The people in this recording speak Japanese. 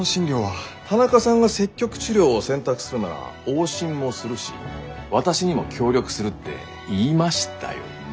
田中さんが積極治療を選択するなら往診もするし私にも協力するって言いましたよね？